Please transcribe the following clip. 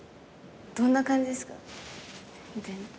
どんな感じですか？